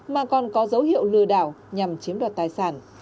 mà còn có dấu hiệu lừa đảo nhằm chiếm đoạt tài sản